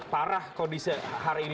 parah kondisi hari ini